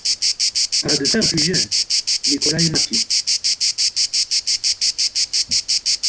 Elle a deux frères plus jeunes, Nicholas et Matthew.